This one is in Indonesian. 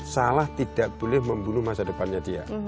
salah tidak boleh membunuh masa depannya dia